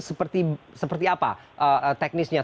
seperti seperti apa teknisnya